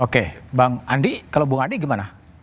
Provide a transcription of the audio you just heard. oke bang andi kalau bung andi gimana